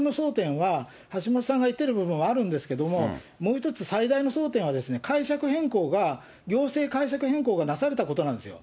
今回ね、一番の争点は橋下さんが言ってる部分はあるんですけども、もう一つ、最大の争点は解釈変更が、行政解釈変更がなされたことなんですよ。